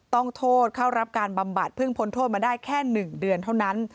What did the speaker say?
ต้องโทษเข้ารับการบำบัดเพิ่งพ้นโทษมาได้แค่๑เดือนเท่านั้น